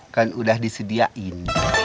kan udah disediain